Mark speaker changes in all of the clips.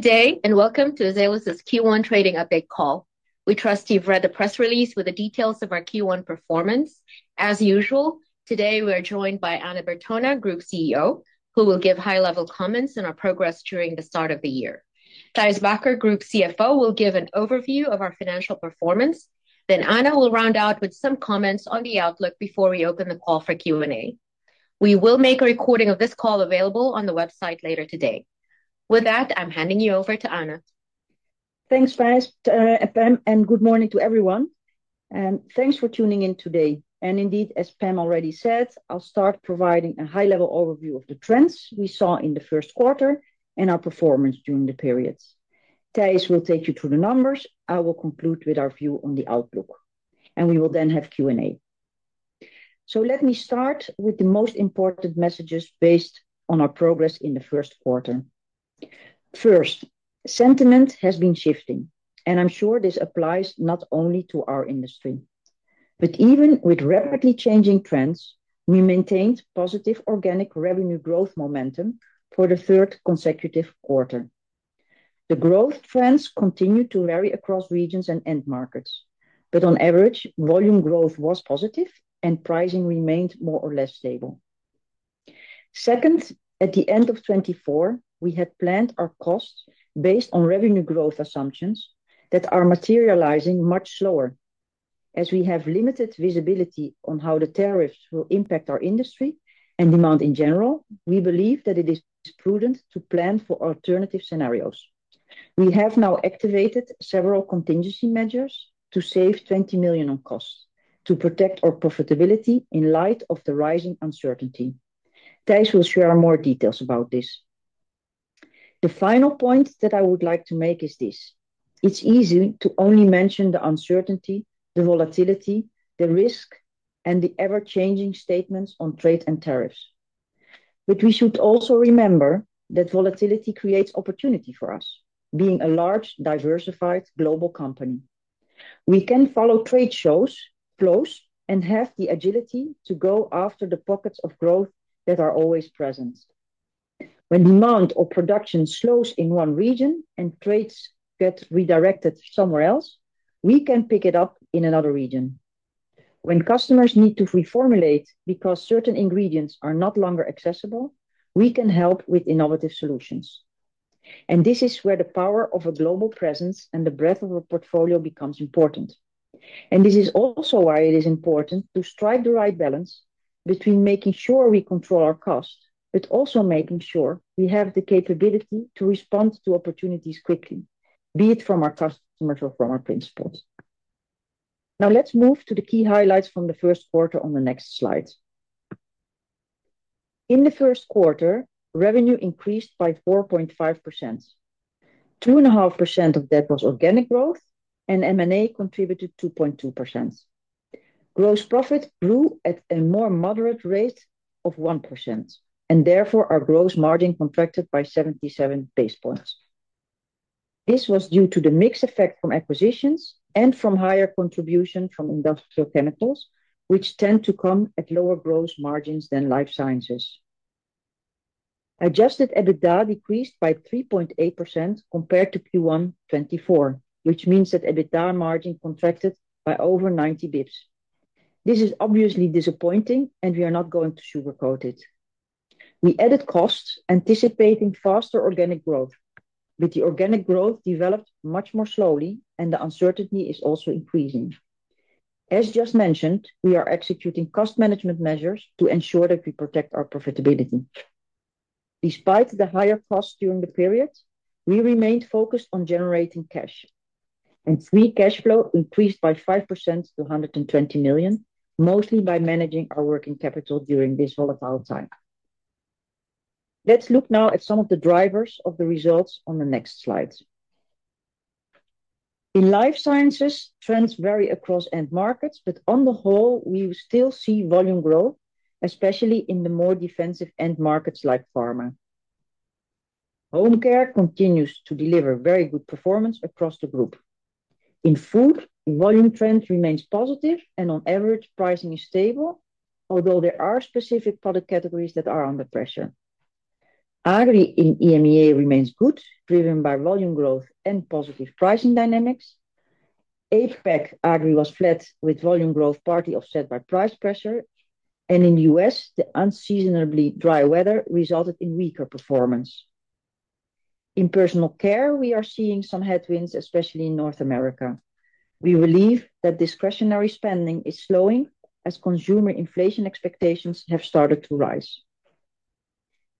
Speaker 1: Good day, and welcome to Azelis's Q1 Trading Update call. We trust you've read the press release with the details of our Q1 performance. As usual, today we are joined by Anna Bertona, Group CEO, who will give high-level comments on our progress during the start of the year. Thijs Bakker, Group CFO, will give an overview of our financial performance. Anna will round out with some comments on the outlook before we open the call for Q&A. We will make a recording of this call available on the website later today. With that, I'm handing you over to Anna.
Speaker 2: Thanks, Thijs, and good morning to everyone. Thanks for tuning in today. As Pam already said, I'll start providing a high-level overview of the trends we saw in the first quarter and our performance during the periods. Thijs will take you through the numbers. I will conclude with our view on the outlook, and we will then have Q&A. Let me start with the most important messages based on our progress in the first quarter. First, sentiment has been shifting, and I'm sure this applies not only to our industry. Even with rapidly changing trends, we maintained positive organic revenue growth momentum for the third consecutive quarter. The growth trends continued to vary across regions and end markets, but on average, volume growth was positive and pricing remained more or less stable. Second, at the end of 2024, we had planned our costs based on revenue growth assumptions that are materializing much slower. As we have limited visibility on how the tariffs will impact our industry and demand in general, we believe that it is prudent to plan for alternative scenarios. We have now activated several contingency measures to save 20 million on costs to protect our profitability in light of the rising uncertainty. Thijs will share more details about this. The final point that I would like to make is this: it is easy to only mention the uncertainty, the volatility, the risk, and the ever-changing statements on trade and tariffs. We should also remember that volatility creates opportunity for us, being a large, diversified global company. We can follow trade shows, flows, and have the agility to go after the pockets of growth that are always present. When demand or production slows in one region and trades get redirected somewhere else, we can pick it up in another region. When customers need to reformulate because certain ingredients are no longer accessible, we can help with innovative solutions. This is where the power of a global presence and the breadth of a portfolio becomes important. This is also why it is important to strike the right balance between making sure we control our costs, but also making sure we have the capability to respond to opportunities quickly, be it from our customers or from our principals. Now let's move to the key highlights from the first quarter on the next slide. In the first quarter, revenue increased by 4.5%. Two and a half percent of that was organic growth, and M&A contributed 2.2%. Gross profit grew at a more moderate rate of 1%, and therefore our gross margin contracted by 77 basis points. This was due to the mixed effect from acquisitions and from higher contribution from industrial chemicals, which tend to come at lower gross margins than life sciences. Adjusted EBITDA decreased by 3.8% compared to Q1 2024, which means that EBITDA margin contracted by over 90 basis points. This is obviously disappointing, and we are not going to sugarcoat it. We added costs, anticipating faster organic growth, but the organic growth developed much more slowly, and the uncertainty is also increasing. As just mentioned, we are executing cost management measures to ensure that we protect our profitability. Despite the higher costs during the period, we remained focused on generating cash, and free cash flow increased by 5% to 120 million, mostly by managing our working capital during this volatile time. Let's look now at some of the drivers of the results on the next slides. In life sciences, trends vary across end markets, but on the whole, we still see volume growth, especially in the more defensive end markets like pharma. Home care continues to deliver very good performance across the group. In food, volume trend remains positive, and on average, pricing is stable, although there are specific product categories that are under pressure. Agri in EMEA remains good, driven by volume growth and positive pricing dynamics. HVAC agri was flat with volume growth partly offset by price pressure, and in the U.S., the unseasonably dry weather resulted in weaker performance. In personal care, we are seeing some headwinds, especially in North America. We believe that discretionary spending is slowing as consumer inflation expectations have started to rise.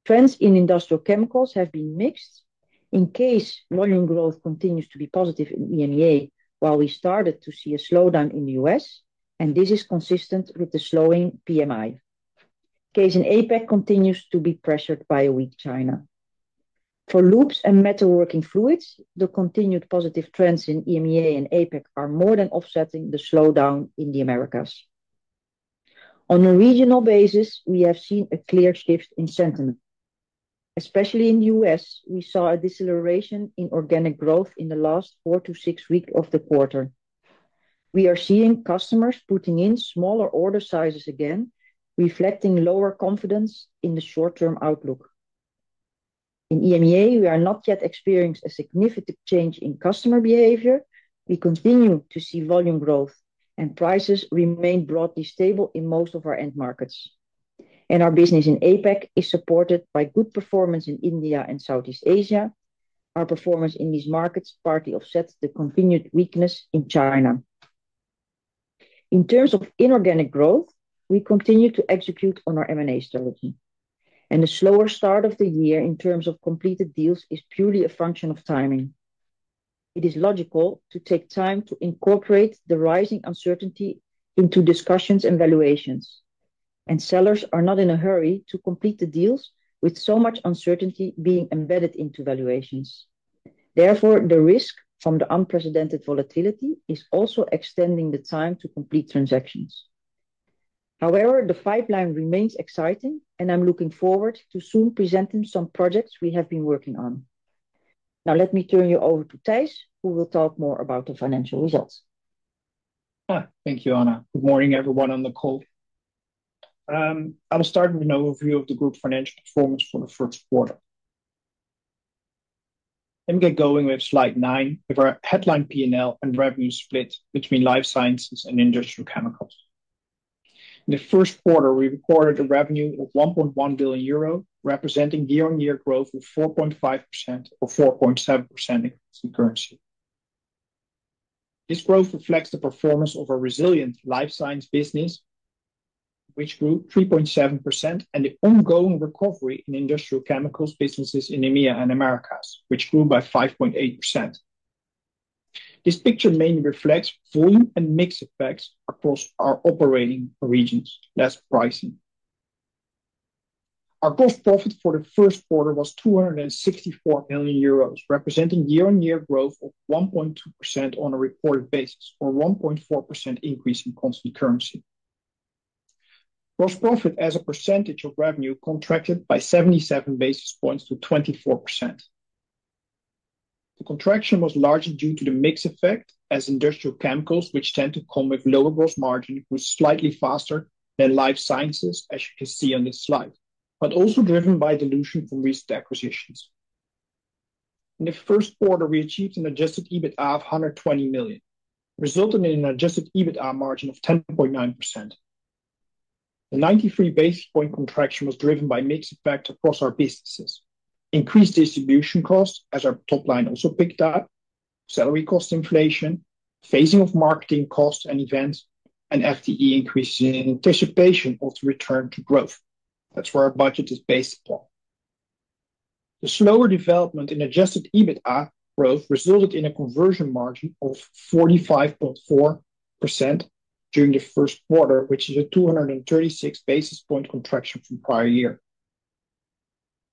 Speaker 2: Trends in industrial chemicals have been mixed. In case volume growth continues to be positive in EMEA, while we started to see a slowdown in the U.S., and this is consistent with the slowing PMI. Case in APEC continues to be pressured by a weak China. For loops and metalworking fluids, the continued positive trends in EMEA and APEC are more than offsetting the slowdown in the Americas. On a regional basis, we have seen a clear shift in sentiment. Especially in the U.S., we saw a deceleration in organic growth in the last four to six weeks of the quarter. We are seeing customers putting in smaller order sizes again, reflecting lower confidence in the short-term outlook. In EMEA, we are not yet experiencing a significant change in customer behavior. We continue to see volume growth, and prices remain broadly stable in most of our end markets. Our business in APEC is supported by good performance in India and Southeast Asia. Our performance in these markets partly offsets the continued weakness in China. In terms of inorganic growth, we continue to execute on our M&A strategy. The slower start of the year in terms of completed deals is purely a function of timing. It is logical to take time to incorporate the rising uncertainty into discussions and valuations. Sellers are not in a hurry to complete the deals with so much uncertainty being embedded into valuations. Therefore, the risk from the unprecedented volatility is also extending the time to complete transactions. However, the pipeline remains exciting, and I'm looking forward to soon presenting some projects we have been working on. Now let me turn you over to Thijs, who will talk more about the financial results.
Speaker 3: Hi, thank you, Anna. Good morning, everyone on the call. I'll start with an overview of the group financial performance for the first quarter. Let me get going with slide nine of our headline P&L and revenue split between life sciences and industrial chemicals. In the first quarter, we recorded a revenue of 1.1 billion euro, representing year-on-year growth of 4.5% or 4.7% in currency. This growth reflects the performance of our resilient life science business, which grew 3.7%, and the ongoing recovery in industrial chemicals businesses in EMEA and Americas, which grew by 5.8%. This picture mainly reflects volume and mixed effects across our operating regions, less pricing. Our gross profit for the first quarter was 264 million euros, representing year-on-year growth of 1.2% on a reported basis, or a 1.4% increase in constant currency. Gross profit as a percentage of revenue contracted by 77 basis points to 24%. The contraction was largely due to the mixed effect, as industrial chemicals, which tend to come with lower gross margins, grew slightly faster than life sciences, as you can see on this slide, but also driven by dilution from recent acquisitions. In the first quarter, we achieved an adjusted EBITDA of $120 million, resulting in an adjusted EBITDA margin of 10.9%. The 93 basis point contraction was driven by mixed effects across our businesses: increased distribution costs, as our top line also picked up, salary cost inflation, phasing of marketing costs and events, and FTE increases in anticipation of the return to growth. That is where our budget is based upon. The slower development in adjusted EBITDA growth resulted in a conversion margin of 45.4% during the first quarter, which is a 236 basis point contraction from the prior year.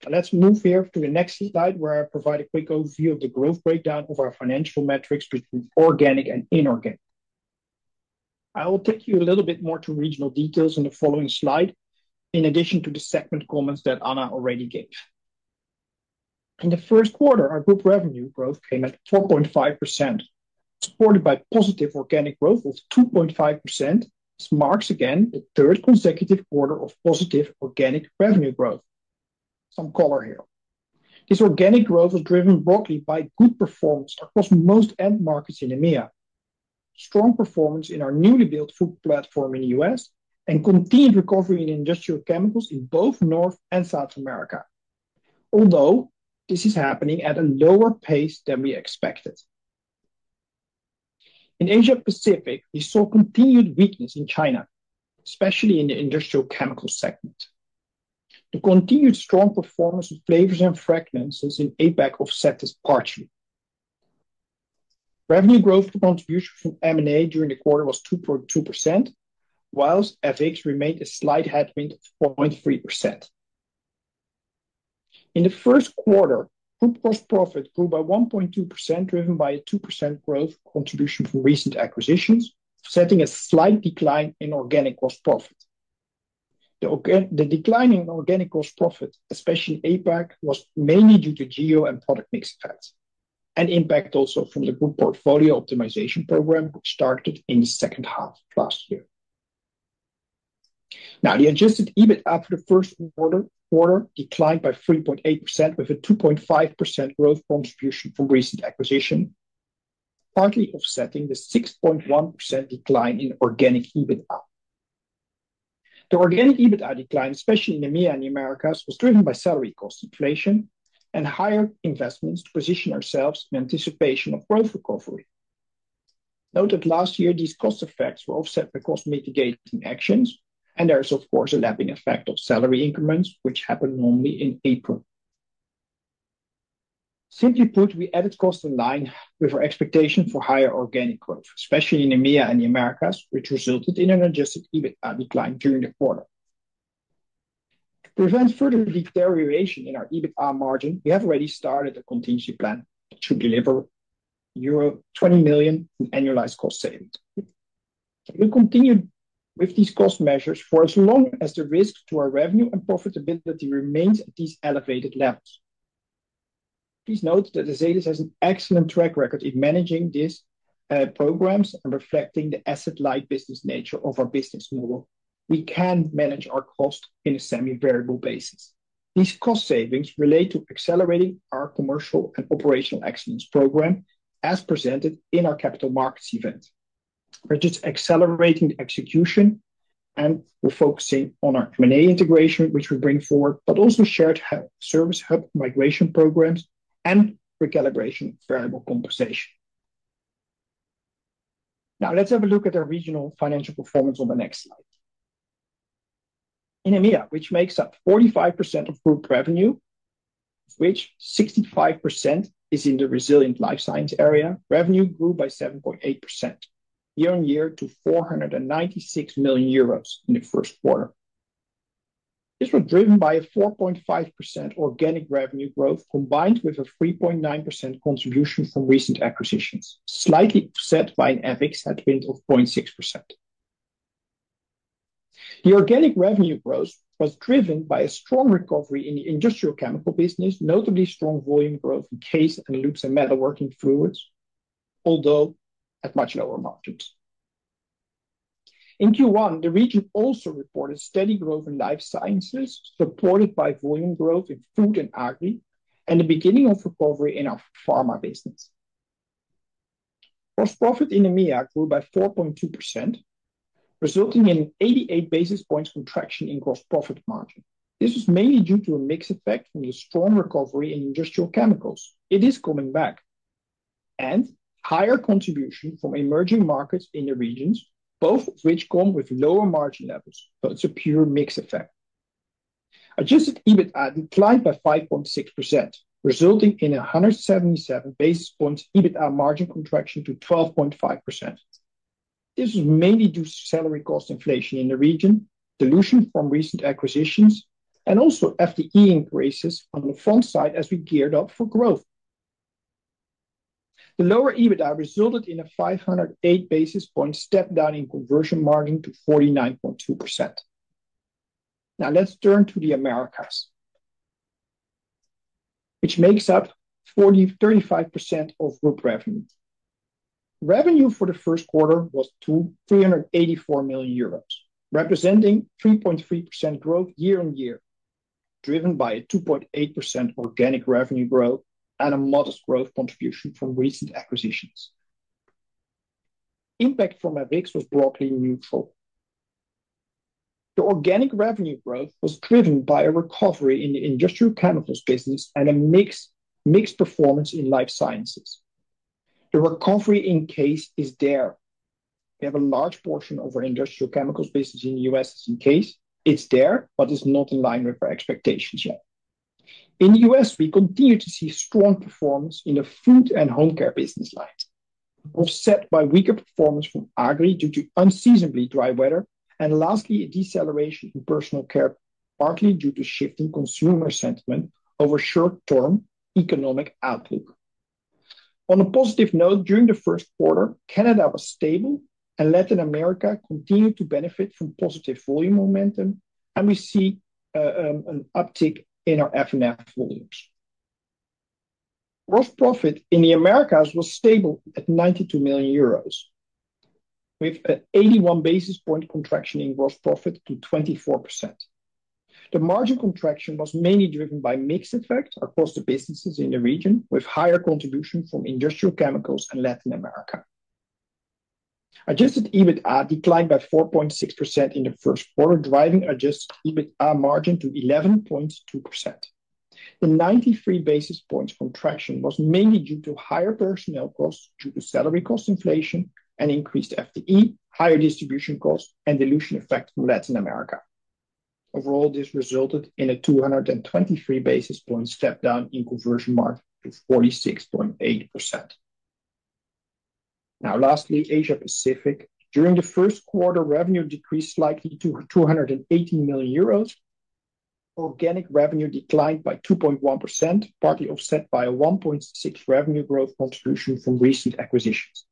Speaker 3: Let's move here to the next slide, where I provide a quick overview of the growth breakdown of our financial metrics between organic and inorganic. I will take you a little bit more to regional details on the following slide, in addition to the segment comments that Anna already gave. In the first quarter, our group revenue growth came at 4.5%, supported by positive organic growth of 2.5%, which marks again the third consecutive quarter of positive organic revenue growth. Some color here. This organic growth was driven broadly by good performance across most end markets in EMEA, strong performance in our newly built food platform in the US, and continued recovery in industrial chemicals in both North and South America, although this is happening at a lower pace than we expected. In Asia-Pacific, we saw continued weakness in China, especially in the industrial chemicals segment. The continued strong performance of flavors and fragrances in APEC offset this partially. Revenue growth contribution from M&A during the quarter was 2.2%, whilst FX remained a slight headwind of 0.3%. In the first quarter, group gross profit grew by 1.2%, driven by a 2% growth contribution from recent acquisitions, setting a slight decline in organic gross profit. The declining organic gross profit, especially APEC, was mainly due to GEO and product mix effects, and impacted also from the group portfolio optimization program, which started in the second half of last year. Now, the adjusted EBITDA for the first quarter declined by 3.8%, with a 2.5% growth contribution from recent acquisitions, partly offsetting the 6.1% decline in organic EBITDA. The organic EBITDA decline, especially in EMEA and Americas, was driven by salary cost inflation and higher investments to position ourselves in anticipation of growth recovery. Note that last year, these cost effects were offset by cost mitigating actions, and there is, of course, a lapping effect of salary increments, which happened normally in April. Simply put, we added costs in line with our expectation for higher organic growth, especially in EMEA and the Americas, which resulted in an adjusted EBITDA decline during the quarter. To prevent further deterioration in our EBITDA margin, we have already started a contingency plan to deliver 20 million in annualized cost savings. We'll continue with these cost measures for as long as the risk to our revenue and profitability remains at these elevated levels. Please note that Azelis has an excellent track record in managing these programs and reflecting the asset-light business nature of our business model. We can manage our costs on a semi-variable basis. These cost savings relate to accelerating our commercial and operational excellence program, as presented in our capital markets event. We're just accelerating the execution and we're focusing on our M&A integration, which we bring forward, but also shared service hub migration programs and recalibration variable compensation. Now, let's have a look at our regional financial performance on the next slide. In EMEA, which makes up 45% of group revenue, of which 65% is in the resilient life science area, revenue grew by 7.8% year-on-year to 496 million euros in the first quarter. This was driven by a 4.5% organic revenue growth combined with a 3.9% contribution from recent acquisitions, slightly offset by an FX headwind of 0.6%. The organic revenue growth was driven by a strong recovery in the industrial chemical business, notably strong volume growth in case and lute and metalworking fluids, although at much lower margins. In Q1, the region also reported steady growth in life sciences, supported by volume growth in food and agri, and the beginning of recovery in our pharma business. Gross profit in EMEA grew by 4.2%, resulting in an 88 basis point contraction in gross profit margin. This was mainly due to a mixed effect from the strong recovery in industrial chemicals. It is coming back, and higher contribution from emerging markets in the regions, both of which come with lower margin levels, but it's a pure mixed effect. Adjusted EBITDA declined by 5.6%, resulting in a 177 basis point EBITDA margin contraction to 12.5%. This was mainly due to salary cost inflation in the region, dilution from recent acquisitions, and also FTE increases on the front side as we geared up for growth. The lower EBITDA resulted in a 508 basis point step down in conversion margin to 49.2%. Now, let's turn to the Americas, which makes up 43% of group revenue. Revenue for the first quarter was 384 million euros, representing 3.3% growth year-on-year, driven by a 2.8% organic revenue growth and a modest growth contribution from recent acquisitions. Impact from FX was broadly neutral. The organic revenue growth was driven by a recovery in the industrial chemicals business and a mixed performance in life sciences. The recovery in CASE is there. We have a large portion of our industrial chemicals business in the U.S. is in CASE. It's there, but it's not in line with our expectations yet. In the U.S., we continue to see strong performance in the food and home care business lines, offset by weaker performance from agri due to unseasonably dry weather, and lastly, a deceleration in personal care, partly due to shifting consumer sentiment over short-term economic outlook. On a positive note, during the first quarter, Canada was stable, and Latin America continued to benefit from positive volume momentum, and we see an uptick in our F&F volumes. Gross profit in the Americas was stable at 92 million euros, with an 81 basis point contraction in gross profit to 24%. The margin contraction was mainly driven by mixed effects across the businesses in the region, with higher contribution from industrial chemicals and Latin America. Adjusted EBITDA declined by 4.6% in the first quarter, driving adjusted EBITDA margin to 11.2%. The 93 basis point contraction was mainly due to higher personnel costs due to salary cost inflation and increased FTE, higher distribution costs, and dilution effect from Latin America. Overall, this resulted in a 223 basis point step down in conversion margin to 46.8%. Now, lastly, Asia-Pacific. During the first quarter, revenue decreased slightly to 218 million euros. Organic revenue declined by 2.1%, partly offset by a 1.6% revenue growth contribution from recent acquisitions.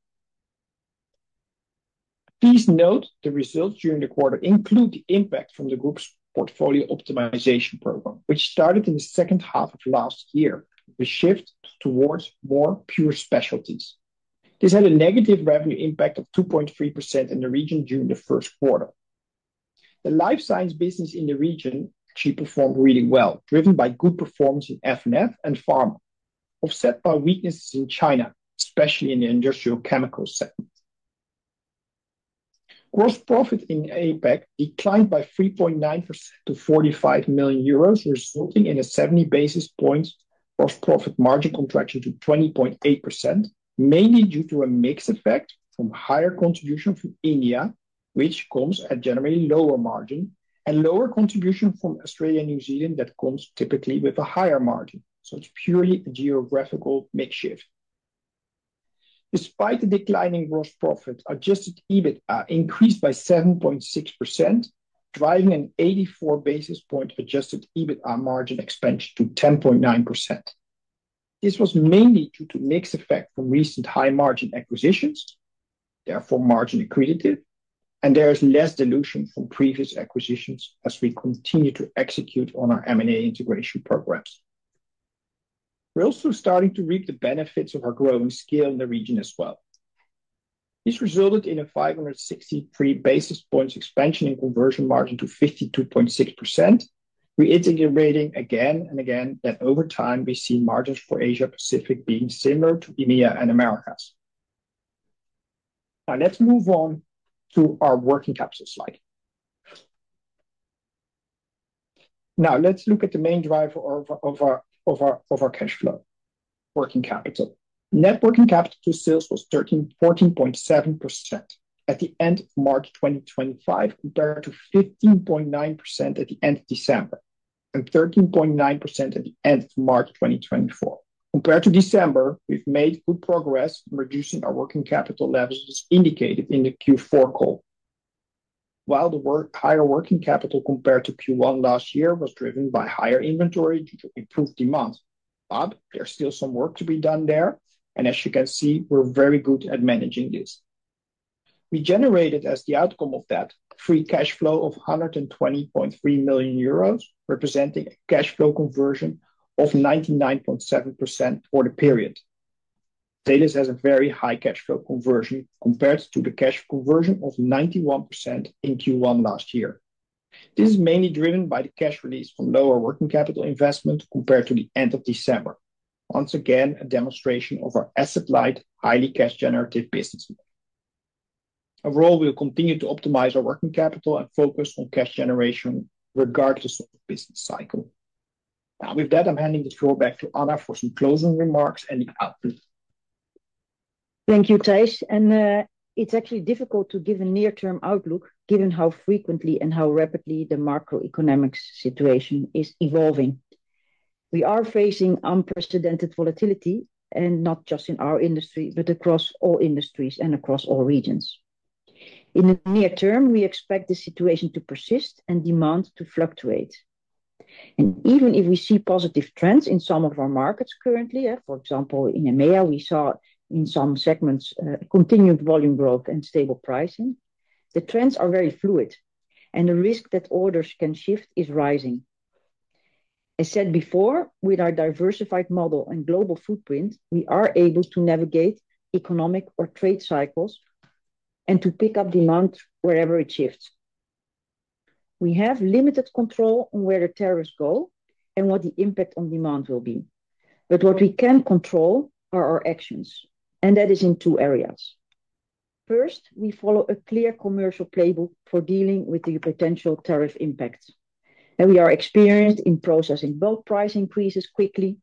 Speaker 3: Please note the results during the quarter include the impact from the group's portfolio optimization program, which started in the second half of last year, with a shift towards more pure specialties. This had a negative revenue impact of 2.3% in the region during the first quarter. The life science business in the region actually performed really well, driven by good performance in F&F and pharma, offset by weaknesses in China, especially in the industrial chemicals segment. Gross profit in APEC declined by 3.9% to 45 million euros, resulting in a 70 basis point gross profit margin contraction to 20.8%, mainly due to a mixed effect from higher contribution from India, which comes at generally lower margin, and lower contribution from Australia and New Zealand that comes typically with a higher margin. It is purely a geographical mix shift. Despite the declining gross profit, adjusted EBITDA increased by 7.6%, driving an 84 basis point adjusted EBITDA margin expansion to 10.9%. This was mainly due to mixed effect from recent high margin acquisitions, therefore margin accretive, and there is less dilution from previous acquisitions as we continue to execute on our M&A integration programs. We are also starting to reap the benefits of our growing scale in the region as well. This resulted in a 563 basis point expansion in conversion margin to 52.6%, reiterating again and again that over time we see margins for Asia-Pacific being similar to EMEA and Americas. Now, let's move on to our working capital slide. Now, let's look at the main driver of our cash flow, working capital. Net working capital to sales was 14.7% at the end of March 2025, compared to 15.9% at the end of December and 13.9% at the end of March 2024. Compared to December, we've made good progress in reducing our working capital levels, as indicated in the Q4 call. While the higher working capital compared to Q1 last year was driven by higher inventory due to improved demand, there's still some work to be done there, and as you can see, we're very good at managing this. We generated, as the outcome of that, a free cash flow of 120.3 million euros, representing a cash flow conversion of 99.7% for the period. Azelis has a very high cash flow conversion compared to the cash conversion of 91% in Q1 last year. This is mainly driven by the cash release from lower working capital investment compared to the end of December, once again a demonstration of our asset-light, highly cash-generative business model. Overall, we will continue to optimize our working capital and focus on cash generation regardless of the business cycle. Now, with that, I am handing the floor back to Anna for some closing remarks and the outlook.
Speaker 2: Thank you, Thijs. It is actually difficult to give a near-term outlook given how frequently and how rapidly the macroeconomic situation is evolving. We are facing unprecedented volatility, and not just in our industry, but across all industries and across all regions. In the near term, we expect the situation to persist and demand to fluctuate. Even if we see positive trends in some of our markets currently, for example, in EMEA, we saw in some segments continued volume growth and stable pricing, the trends are very fluid, and the risk that orders can shift is rising. As said before, with our diversified model and global footprint, we are able to navigate economic or trade cycles and to pick up demand wherever it shifts. We have limited control on where the tariffs go and what the impact on demand will be. What we can control are our actions, and that is in two areas. First, we follow a clear commercial playbook for dealing with the potential tariff impacts. We are experienced in processing bulk price increases quickly.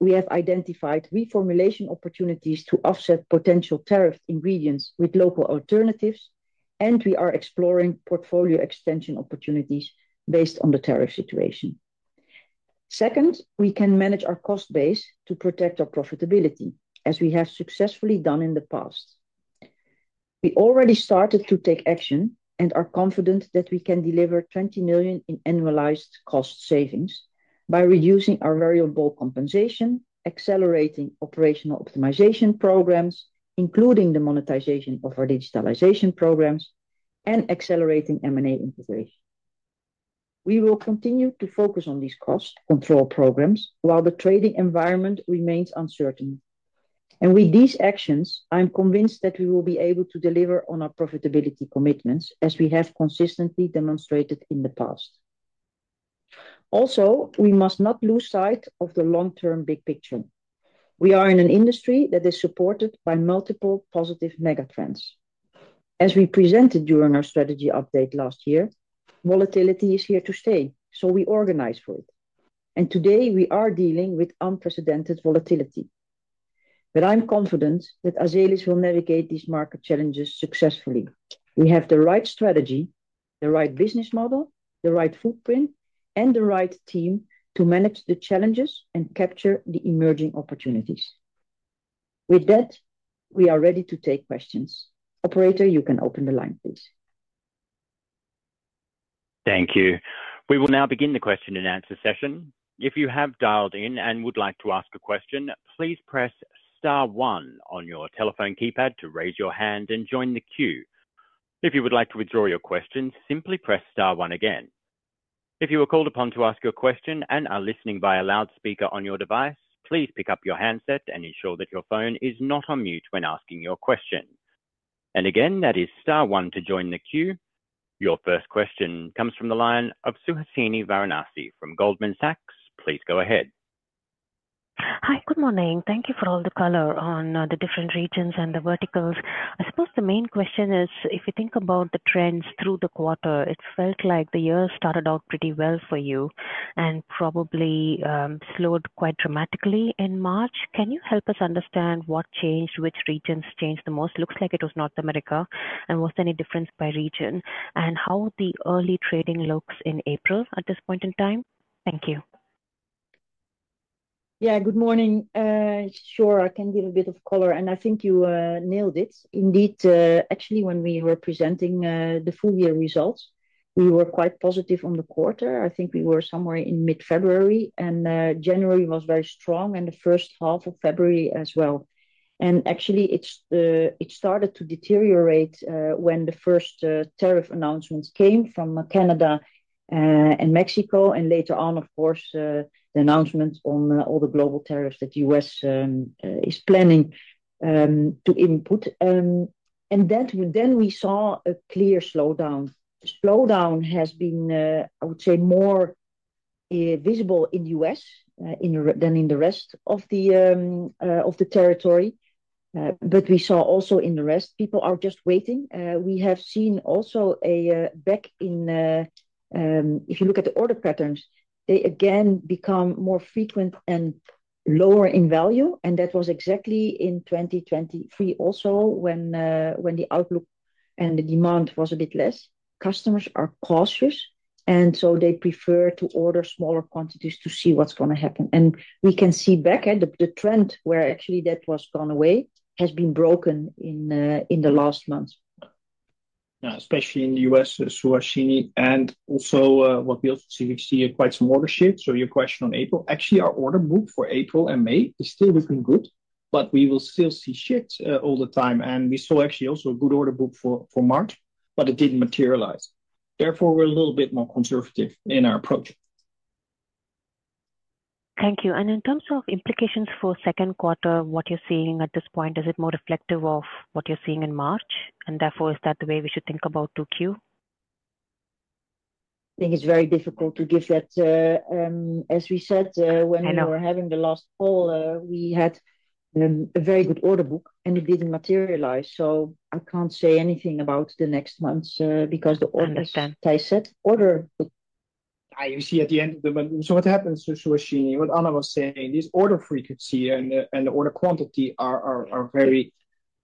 Speaker 2: We have identified reformulation opportunities to offset potential tariff ingredients with local alternatives, and we are exploring portfolio extension opportunities based on the tariff situation. Second, we can manage our cost base to protect our profitability, as we have successfully done in the past. We already started to take action and are confident that we can deliver 20 million in annualized cost savings by reducing our variable compensation, accelerating operational optimization programs, including the monetization of our digitalization programs, and accelerating M&A integration. We will continue to focus on these cost control programs while the trading environment remains uncertain. With these actions, I am convinced that we will be able to deliver on our profitability commitments, as we have consistently demonstrated in the past. We must not lose sight of the long-term big picture. We are in an industry that is supported by multiple positive megatrends. As we presented during our strategy update last year, volatility is here to stay, so we organize for it. Today, we are dealing with unprecedented volatility. I am confident that Azelis will navigate these market challenges successfully. We have the right strategy, the right business model, the right footprint, and the right team to manage the challenges and capture the emerging opportunities. With that, we are ready to take questions. Operator, you can open the line, please.
Speaker 4: Thank you. We will now begin the question and answer session. If you have dialed in and would like to ask a question, please press Star one on your telephone keypad to raise your hand and join the queue. If you would like to withdraw your question, simply press Star one again. If you are called upon to ask your question and are listening via loudspeaker on your device, please pick up your handset and ensure that your phone is not on mute when asking your question. That is Star one to join the queue. Your first question comes from the line of Suhasini Varanasi from Goldman Sachs. Please go ahead.
Speaker 5: Hi, good morning. Thank you for all the color on the different regions and the verticals. I suppose the main question is, if you think about the trends through the quarter, it felt like the year started out pretty well for you and probably slowed quite dramatically in March. Can you help us understand what changed, which regions changed the most? Looks like it was North America. Was there any difference by region? How the early trading looks in April at this point in time? Thank you.
Speaker 2: Yeah, good morning. Sure, I can give a bit of color. I think you nailed it. Indeed, actually, when we were presenting the full year results, we were quite positive on the quarter. I think we were somewhere in mid-February, and January was very strong, and the first half of February as well. Actually, it started to deteriorate when the first tariff announcements came from Canada and Mexico, and later on, of course, the announcement on all the global tariffs that the U.S. is planning to input. We saw a clear slowdown. The slowdown has been, I would say, more visible in the U.S. than in the rest of the territory. We saw also in the rest, people are just waiting. We have seen also a back in, if you look at the order patterns, they again become more frequent and lower in value. That was exactly in 2023 also when the outlook and the demand was a bit less. Customers are cautious, and so they prefer to order smaller quantities to see what's going to happen. We can see back at the trend where actually that was gone away has been broken in the last months.
Speaker 3: Now, especially in the U.S., Suhasini, and also what we also see, we see quite some order shifts. Your question on April, actually, our order book for April and May is still looking good, but we will still see shifts all the time. We saw actually also a good order book for March, but it did not materialize. Therefore, we're a little bit more conservative in our approach.
Speaker 5: Thank you. In terms of implications for second quarter, what you're seeing at this point, is it more reflective of what you're seeing in March?
Speaker 2: Is that the way we should think about Q2? I think it's very difficult to give that. As we said, when we were having the last call, we had a very good order book, and it didn't materialize. I can't say anything about the next month because, as Thijs said, order book,
Speaker 3: you see at the end of the month. What happens, Suhasini, what Anna was saying, this order frequency and the order quantity are very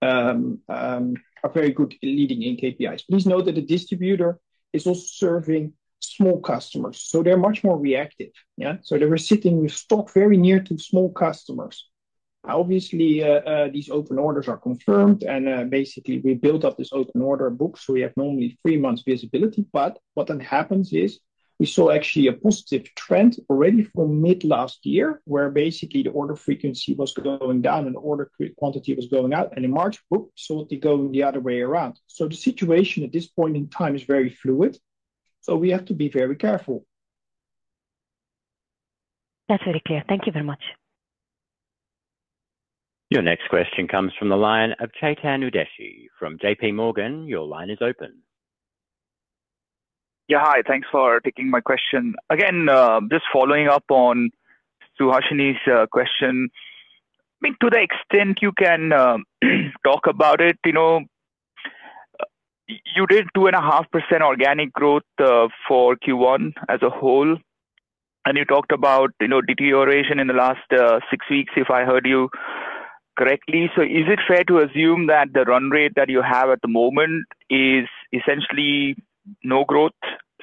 Speaker 3: good leading KPIs. Please note that the distributor is also serving small customers, so they're much more reactive. They were sitting with stock very near to small customers. Obviously, these open orders are confirmed, and basically, we built up this open order book. We have normally three months visibility, but what then happens is we saw actually a positive trend already from mid-last year where basically the order frequency was going down and the order quantity was going out. In March, book, saw it going the other way around. The situation at this point in time is very fluid, so we have to be very careful.
Speaker 5: That's very clear. Thank you very much.
Speaker 4: Your next question comes from the line of Chetan udeshi from JPMorgan. Your line is open.
Speaker 6: Yeah, hi. Thanks for taking my question. Again, just following up on Suhasini's question, to the extent you can talk about it, you did 2.5% organic growth for Q1 as a whole, and you talked about deterioration in the last six weeks, if I heard you correctly. Is it fair to assume that the run rate that you have at the moment is essentially no growth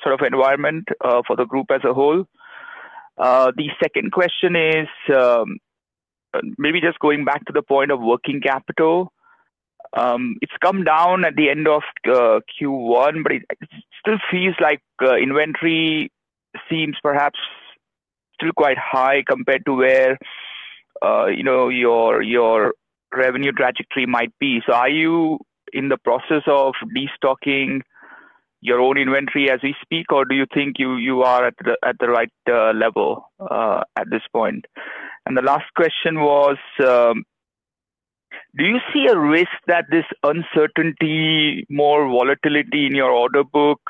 Speaker 6: sort of environment for the group as a whole? The second question is maybe just going back to the point of working capital. It's come down at the end of Q1, but it still feels like inventory seems perhaps still quite high compared to where your revenue trajectory might be. Are you in the process of restocking your own inventory as we speak, or do you think you are at the right level at this point? The last question was, do you see a risk that this uncertainty, more volatility in your order book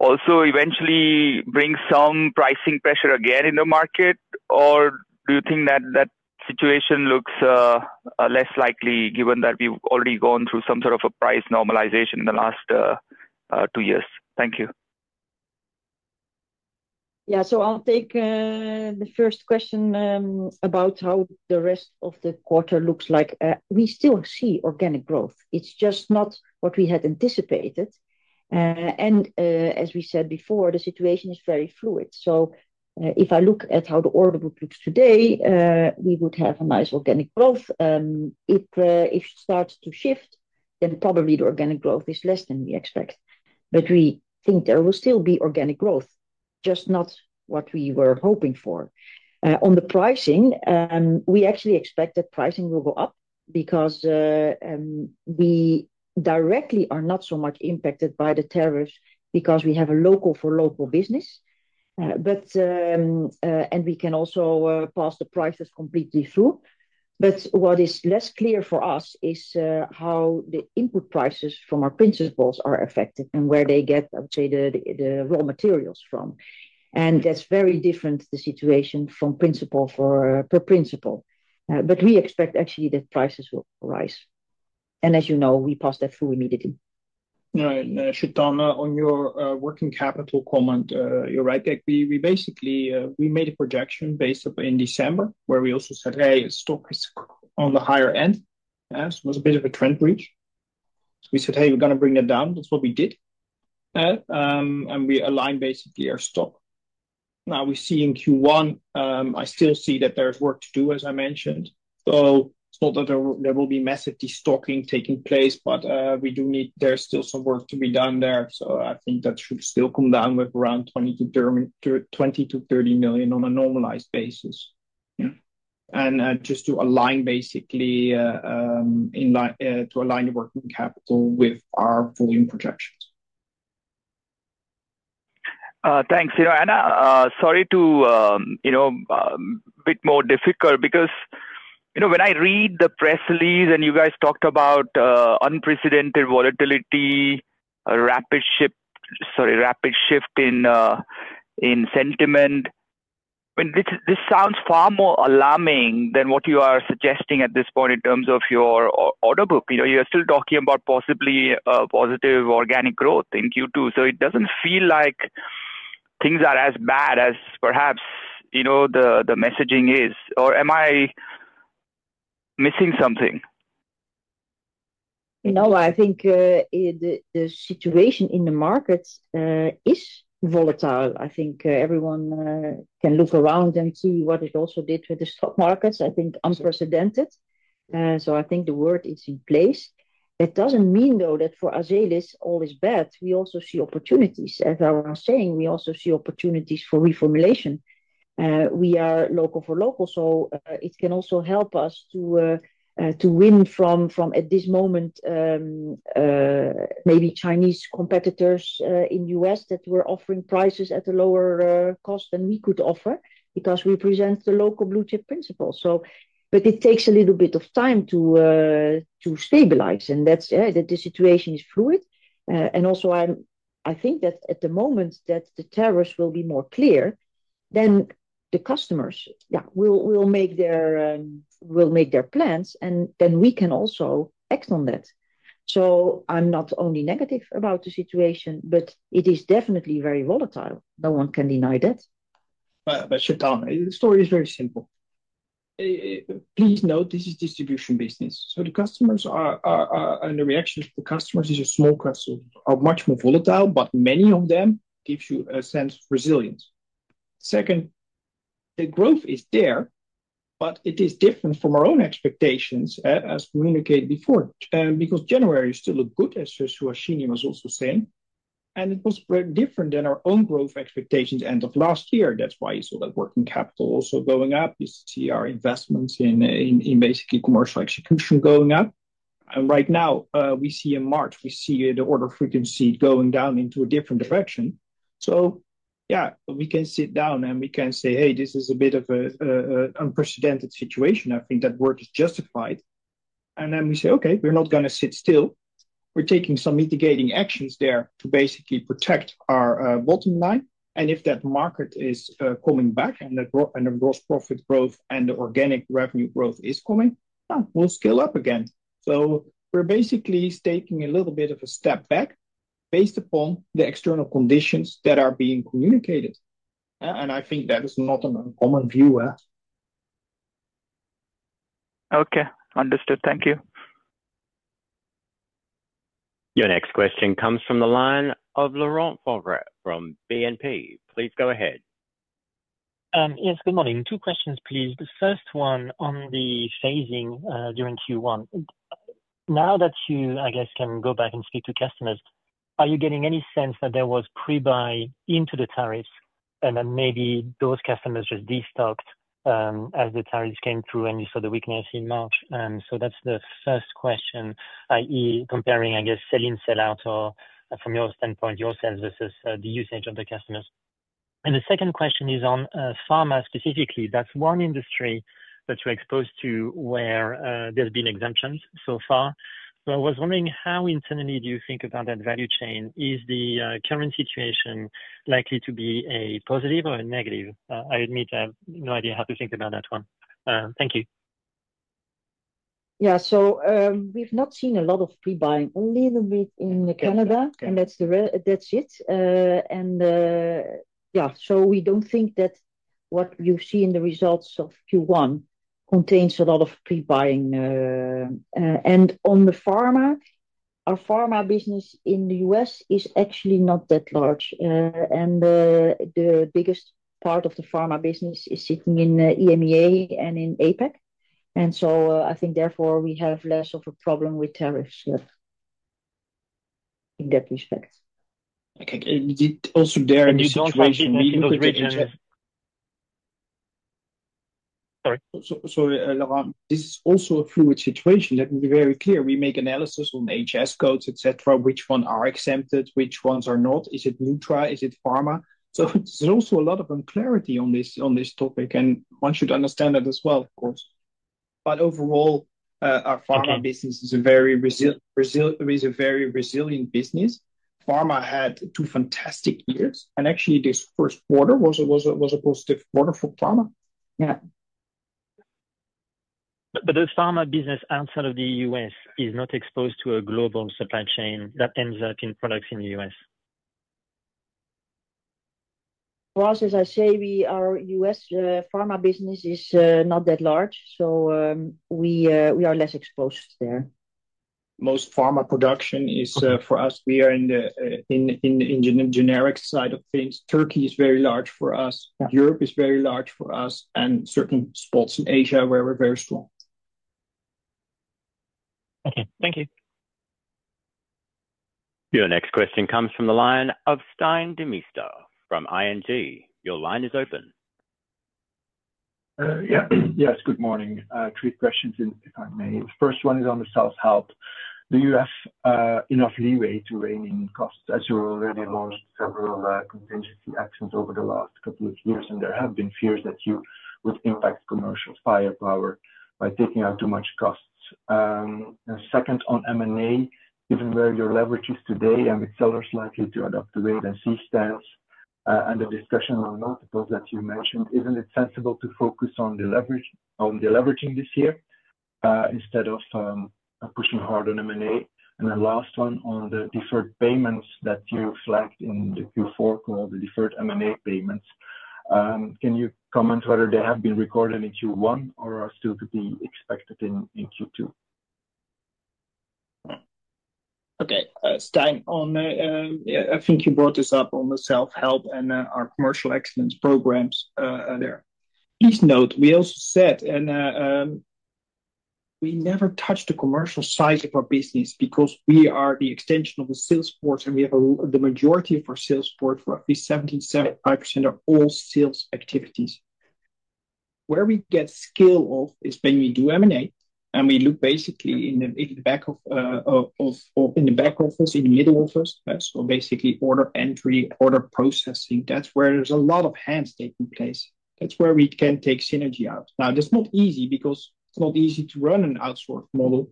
Speaker 6: also eventually brings some pricing pressure again in the market, or do you think that that situation looks less likely given that we have already gone through some sort of a price normalization in the last two years? Thank you.
Speaker 2: Yeah, I will take the first question about how the rest of the quarter looks like. We still see organic growth. It is just not what we had anticipated. As we said before, the situation is very fluid. If I look at how the order book looks today, we would have a nice organic growth. If it starts to shift, then probably the organic growth is less than we expect. We think there will still be organic growth, just not what we were hoping for. On the pricing, we actually expect that pricing will go up because we directly are not so much impacted by the tariffs because we have a local-for-local business. We can also pass the prices completely through. What is less clear for us is how the input prices from our principals are affected and where they get, I would say, the raw materials from. That is very different, the situation from principal per principal. We expect actually that prices will rise. As you know, we pass that through immediately.
Speaker 3: Right. Should Anna on your working capital comment, you're right. We basically made a projection based in December where we also said, hey, stock is on the higher end. It was a bit of a trend breach. We said, hey, we're going to bring it down. That's what we did. We aligned basically our stock. Now we see in Q1, I still see that there's work to do, as I mentioned. It's not that there will be massive destocking taking place, but we do need there's still some work to be done there. I think that should still come down with around 20- 30 million on a normalized basis. Just to align basically to align the working capital with our volume projections.
Speaker 6: Thanks. You know, Anna, sorry to be a bit more difficult because when I read the press release and you guys talked about unprecedented volatility, rapid shift, sorry, rapid shift in sentiment, this sounds far more alarming than what you are suggesting at this point in terms of your order book. You're still talking about possibly positive organic growth in Q2. It doesn't feel like things are as bad as perhaps the messaging is.
Speaker 2: No, I think the situation in the markets is volatile. I think everyone can look around and see what it also did with the stock markets. I think unprecedented. I think the word is in place. It does not mean, though, that for Azelis all is bad. We also see opportunities. As I was saying, we also see opportunities for reformulation. We are local-for-local, so it can also help us to win from, at this moment, maybe Chinese competitors in the US that were offering prices at a lower cost than we could offer because we present the local blue chip principles. It takes a little bit of time to stabilize. That is, the situation is fluid. I think that at the moment that the tariffs will be more clear, then the customers, yeah, will make their plans, and then we can also act on that. I am not only negative about the situation, but it is definitely very volatile. No one can deny
Speaker 3: that. Shotaan, the story is very simple. Please note this is distribution business. The customers and the reaction of the customers is a small customer, are much more volatile, but many of them gives you a sense of resilience. Second, the growth is there, but it is different from our own expectations, as communicated before, because January still looked good, as Suhasini was also saying. It was different than our own growth expectations end of last year. That is why you saw that working capital also going up. You see our investments in basically commercial execution going up. Right now, we see in March, we see the order frequency going down into a different direction. Yeah, we can sit down and we can say, hey, this is a bit of an unprecedented situation. I think that word is justified. Then we say, okay, we're not going to sit still. We're taking some mitigating actions there to basically protect our bottom line. If that market is coming back and the gross profit growth and the organic revenue growth is coming, we'll scale up again. We're basically taking a little bit of a step back based upon the external conditions that are being communicated. I think that is not an uncommon view.
Speaker 6: Okay. Understood. Thank you.
Speaker 4: Your next question comes from the line of Laurent Favre from BNP. Please go ahead.
Speaker 7: Yes, good morning. Two questions, please. The first one on the phasing during Q1. Now that you, I guess, can go back and speak to customers, are you getting any sense that there was pre-buy into the tariffs and then maybe those customers just destocked as the tariffs came through and you saw the weakness in March? That is the first question, i.e., comparing, I guess, sell in, sell out, or from your standpoint, your sense versus the usage of the customers. The second question is on pharma specifically. That is one industry that you are exposed to where there have been exemptions so far. I was wondering how internally you think about that value chain. Is the current situation likely to be a positive or a negative? I admit I have no idea how to think about that one. Thank you.
Speaker 2: Yeah. We have not seen a lot of pre-buying, only a little bit in Canada, and that is it. Yeah, we do not think that what you see in the results of Q1 contains a lot of pre-buying. On the pharma, our pharma business in the US is actually not that large. The biggest part of the pharma business is sitting in EMEA and in APAC. I think therefore we have less of a problem with tariffs in that respect. Also, in this situation,
Speaker 7: we know the region. Sorry. Sorry, Laurent. This is also a fluid situation. Let me be very clear. We make analysis on HS codes, etc., which ones are exempted, which ones are not. Is it neutral? Is it pharma? There is also a lot of unclarity on this topic, and one should understand that as well, of course. Overall, our pharma business is a very resilient business. Pharma had two fantastic years, and actually this first quarter was a positive quarter for pharma. Yeah.
Speaker 3: This pharma business outside of the U.S. is not exposed to a global supply chain that ends up in products in the U.S.
Speaker 2: For us, as I say, our U.S. pharma business is not that large, so we are less exposed there.
Speaker 3: Most pharma production is for us. We are in the generic side of things. Turkey is very large for us. Europe is very large for us, and certain spots in Asia where we're very strong.
Speaker 7: Okay. Thank you.
Speaker 3: Your next question comes from the line of Stein de Mister from ING. Your line is open.
Speaker 8: Yeah. Yes. Good morning. Three questions, if I may. The first one is on the self-help. Do you have enough leeway to rein in costs as you already launched several contingency actions over the last couple of years, and there have been fears that you would impact commercial firepower by taking out too much costs? Second, on M&A, given where your leverage is today and with sellers likely to adopt the wait-and-see stance and the discussion on multiples that you mentioned, is it not sensible to focus on deleveraging this year instead of pushing hard on M&A? The last one on the deferred payments that you flagged in the Q4 call, the deferred M&A payments. Can you comment whether they have been recorded in Q1 or are still to be expected in Q2?
Speaker 3: Okay. Stein, I think you brought this up on the self-help and our commercial excellence programs there. Please note, we also said we never touched the commercial side of our business because we are the extension of the sales force, and we have the majority of our sales force, roughly 75% of all sales activities. Where we get skill off is when we do M&A, and we look basically in the back office, in the middle office, so basically order entry, order processing. That is where there is a lot of hands taking place. That is where we can take synergy out. Now, that is not easy because it is not easy to run an outsourced model.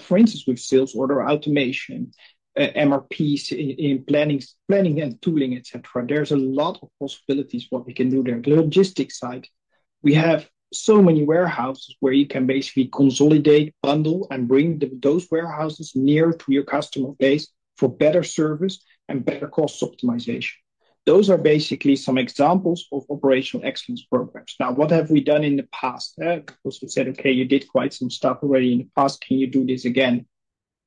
Speaker 3: For instance, with sales order automation, MRPs in planning and tooling, etc., there are a lot of possibilities what we can do there. The logistics side, we have so many warehouses where you can basically consolidate, bundle, and bring those warehouses near to your customer base for better service and better cost optimization. Those are basically some examples of operational excellence programs. Now, what have we done in the past? Of course, we said, okay, you did quite some stuff already in the past. Can you do this again?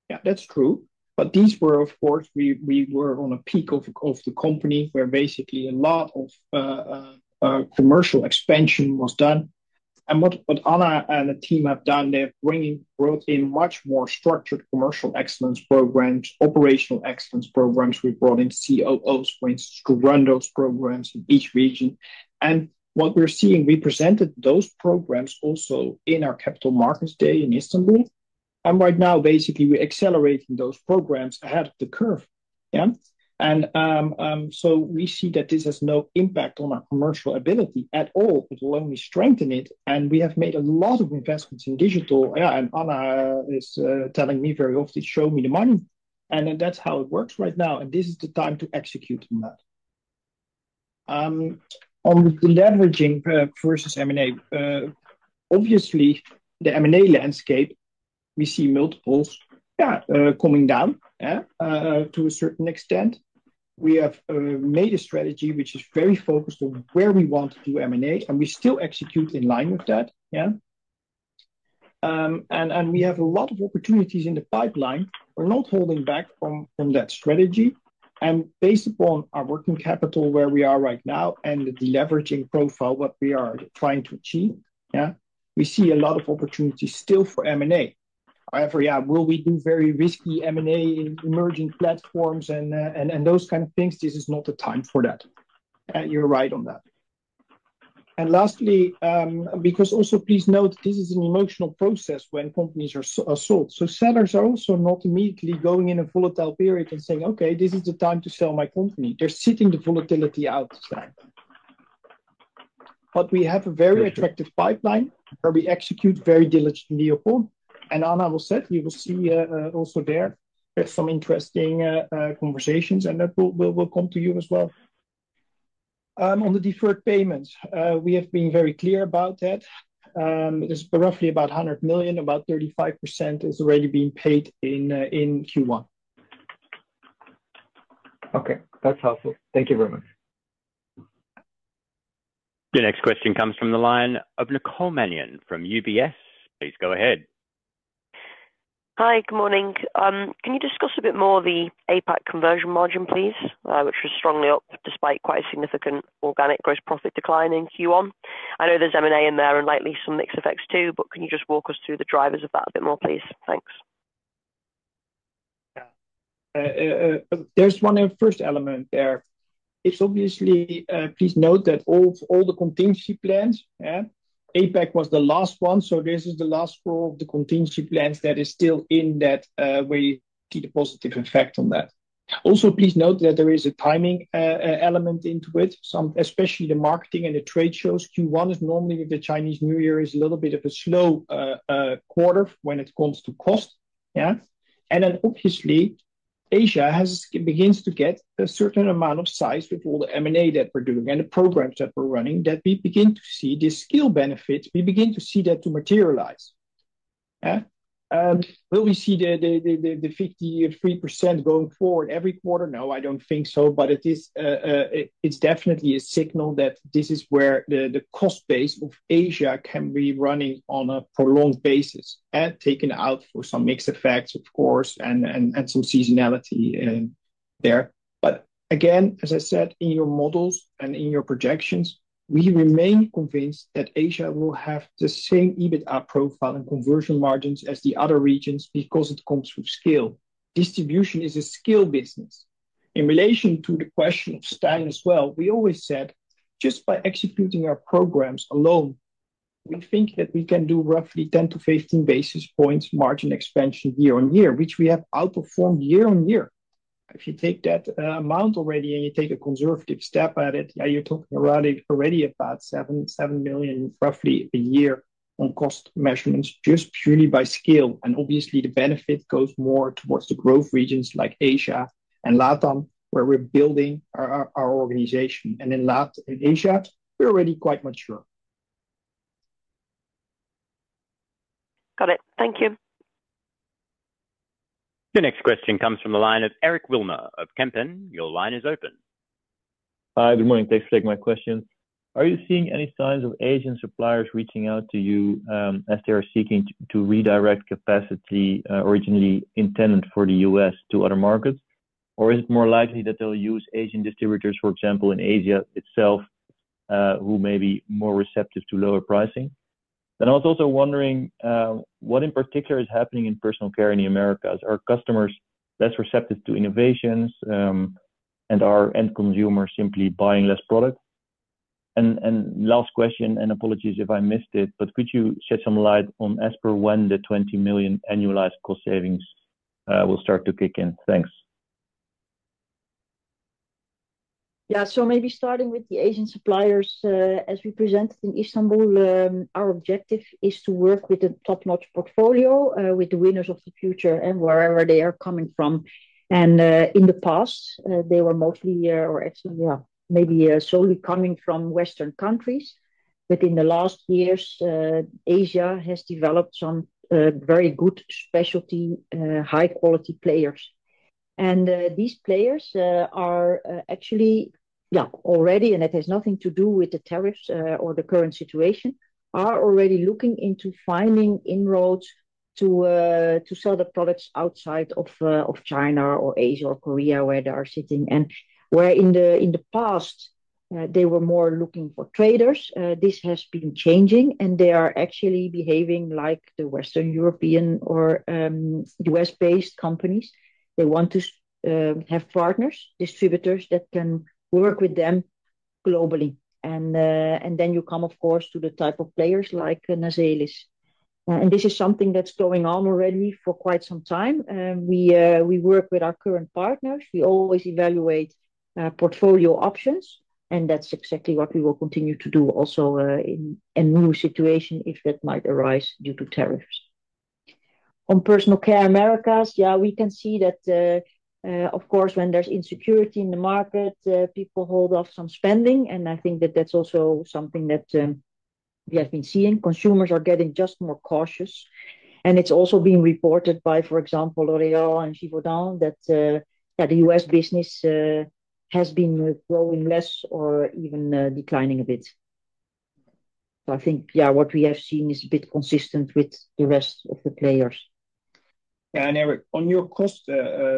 Speaker 3: Yeah, that's true. These were, of course, we were on a peak of the company where basically a lot of commercial expansion was done. What Anna and the team have done, they've brought in much more structured commercial excellence programs, operational excellence programs. We brought in COOs, for instance, to run those programs in each region. What we're seeing, we presented those programs also in our capital markets day in Istanbul. Right now, basically, we're accelerating those programs ahead of the curve. Yeah. We see that this has no impact on our commercial ability at all. It will only strengthen it. We have made a lot of investments in digital. Yeah. Anna is telling me very often, show me the money. That is how it works right now. This is the time to execute on that. On the leveraging versus M&A, obviously, the M&A landscape, we see multiples, yeah, coming down to a certain extent. We have made a strategy which is very focused on where we want to do M&A, and we still execute in line with that. Yeah. We have a lot of opportunities in the pipeline. We are not holding back from that strategy. Based upon our working capital where we are right now and the leveraging profile, what we are trying to achieve, yeah, we see a lot of opportunities still for M&A. However, yeah, will we do very risky M&A in emerging platforms and those kind of things? This is not the time for that. You're right on that. Lastly, please note, this is an emotional process when companies are sold. Sellers are also not immediately going in a volatile period and saying, okay, this is the time to sell my company. They're sitting the volatility outside. We have a very attractive pipeline where we execute very diligently upon. Anna will said, you will see also there some interesting conversations, and that will come to you as well. On the deferred payments, we have been very clear about that. It's roughly about 100 million. About 35% is already being paid in Q1.
Speaker 8: Okay. That's helpful. Thank you very much.
Speaker 4: Your next question comes from the line of Nicole Menyon from UBS. Please go ahead.
Speaker 9: Hi. Good morning. Can you discuss a bit more the APAC conversion margin, please, which was strongly up despite quite a significant organic gross profit decline in Q1? I know there's M&A in there and likely some mixed effects too, but can you just walk us through the drivers of that a bit more, please? Thanks.
Speaker 3: Yeah. There's one first element there. It's obviously, please note that all the contingency plans, APAC was the last one, so this is the last four of the contingency plans that is still in that where you see the positive effect on that. Also, please note that there is a timing element into it, especially the marketing and the trade shows. Q1 is normally the Chinese New Year is a little bit of a slow quarter when it comes to cost. Yeah. Obviously, Asia begins to get a certain amount of size with all the M&A that we're doing and the programs that we're running that we begin to see the skill benefits. We begin to see that to materialize. Yeah. Will we see the 53% going forward every quarter? No, I don't think so, but it's definitely a signal that this is where the cost base of Asia can be running on a prolonged basis and taken out for some mixed effects, of course, and some seasonality there. Again, as I said, in your models and in your projections, we remain convinced that Asia will have the same EBITDA profile and conversion margins as the other regions because it comes with skill. Distribution is a skill business. In relation to the question of Stein as well, we always said, just by executing our programs alone, we think that we can do roughly 10-15 basis points margin expansion year on year, which we have outperformed year on year. If you take that amount already and you take a conservative step at it, yeah, you're talking already about 7 million roughly a year on cost measurements just purely by skill. Obviously, the benefit goes more towards the growth regions like Asia and LATAM, where we're building our organization. In Asia, we're already quite mature.
Speaker 9: Got it. Thank you.
Speaker 4: Your next question comes from the line of Eric Wilmer of Van Lanschot Kempen. Your line is open.
Speaker 10: Hi. Good morning. Thanks for taking my questions. Are you seeing any signs of Asian suppliers reaching out to you as they are seeking to redirect capacity originally intended for the U.S. to other markets? Is it more likely that they'll use Asian distributors, for example, in Asia itself, who may be more receptive to lower pricing? I was also wondering what in particular is happening in personal care in the Americas. Are customers less receptive to innovations and are end consumers simply buying less product? Last question, and apologies if I missed it, but could you shed some light on as per when the 20 million annualized cost savings will start to kick in? Thanks.
Speaker 2: Yeah. Maybe starting with the Asian suppliers, as we presented in Istanbul, our objective is to work with a top-notch portfolio with the winners of the future and wherever they are coming from. In the past, they were mostly or actually, yeah, maybe solely coming from Western countries. In the last years, Asia has developed some very good specialty, high-quality players. These players are actually, yeah, already, and it has nothing to do with the tariffs or the current situation, are already looking into finding inroads to sell the products outside of China or Asia or Korea where they are sitting. Where in the past, they were more looking for traders, this has been changing, and they are actually behaving like the Western European or US-based companies. They want to have partners, distributors that can work with them globally. You come, of course, to the type of players like Azelis. This is something that's going on already for quite some time. We work with our current partners. We always evaluate portfolio options, and that's exactly what we will continue to do also in a new situation if that might arise due to tariffs. On personal care Americas, yeah, we can see that, of course, when there's insecurity in the market, people hold off some spending. I think that that's also something that we have been seeing. Consumers are getting just more cautious. It's also been reported by, for example, L'Oréal and Givaudan that the US business has been growing less or even declining a bit. I think, yeah, what we have seen is a bit consistent with the rest of the players.
Speaker 3: Yeah.Eric, on your cost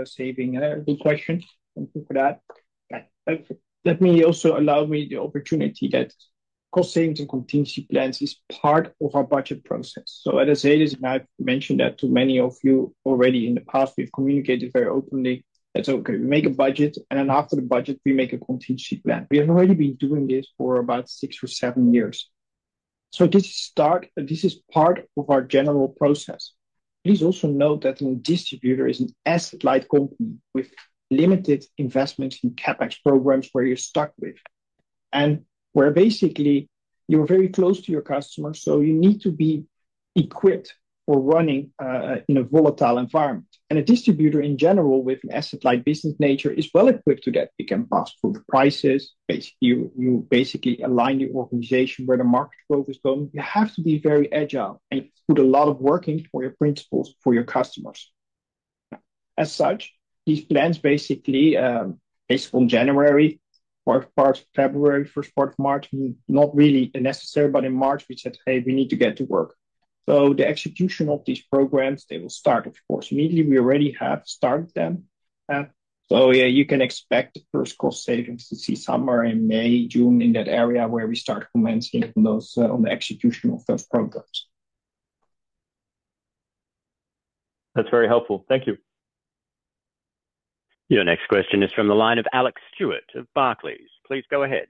Speaker 3: saving, I have a question. Thank you for that. Let me also allow me the opportunity that cost savings and contingency plans is part of our budget process. At the same time, I've mentioned that to many of you already in the past, we've communicated very openly that, okay, we make a budget, and then after the budget, we make a contingency plan. We have already been doing this for about six or seven years. This is part of our general process. Please also note that a distributor is an asset-light company with limited investments in CapEx programs where you're stuck with and where basically you're very close to your customers, so you need to be equipped for running in a volatile environment. A distributor in general with an asset-light business nature is well equipped to that. You can pass through the prices. You basically align your organization where the market growth is going. You have to be very agile and put a lot of work in for your principals, for your customers. As such, these plans basically based on January, first part of February, first part of March, not really necessary, but in March, we said, hey, we need to get to work. The execution of these programs, they will start, of course, immediately. We already have started them. You can expect the first cost savings to see somewhere in May, June in that area where we start commenting on the execution of those programs.
Speaker 10: That's very helpful. Thank you.
Speaker 4: Your next question is from the line of Alex Stewart of Barclays. Please go ahead.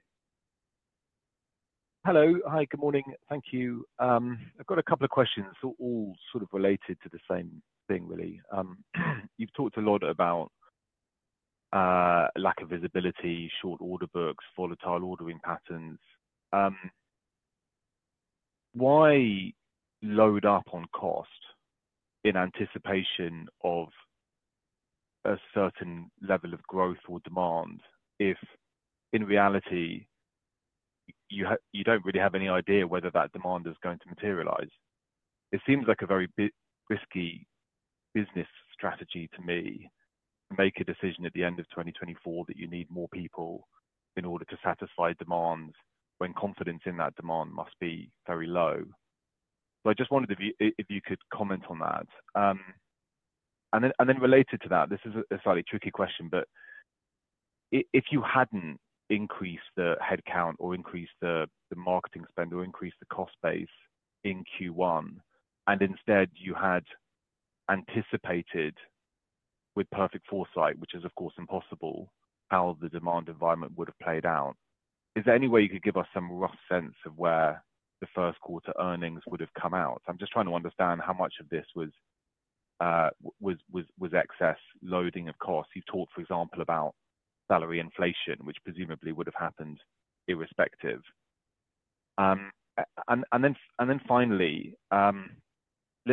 Speaker 11: Hello. Hi. Good morning. Thank you. I've got a couple of questions that are all sort of related to the same thing, really. You've talked a lot about lack of visibility, short order books, volatile ordering patterns. Why load up on cost in anticipation of a certain level of growth or demand if in reality, you do not really have any idea whether that demand is going to materialize? It seems like a very risky business strategy to me to make a decision at the end of 2024 that you need more people in order to satisfy demands when confidence in that demand must be very low. I just wondered if you could comment on that. Related to that, this is a slightly tricky question, but if you had not increased the headcount or increased the marketing spend or increased the cost base in Q1, and instead you had anticipated with perfect foresight, which is, of course, impossible, how the demand environment would have played out, is there any way you could give us some rough sense of where the first quarter earnings would have come out? I am just trying to understand how much of this was excess loading of costs. You have talked, for example, about salary inflation, which presumably would have happened irrespective. Finally,